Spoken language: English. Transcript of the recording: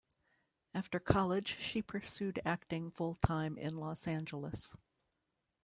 After college, she pursued acting full-time in Los Angeles.